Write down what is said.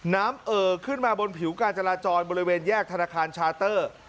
เอ่อขึ้นมาบนผิวการจราจรบริเวณแยกธนาคารชาเตอร์